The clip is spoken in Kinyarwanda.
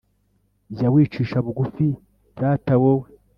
jya wicisha bugufi rata wowe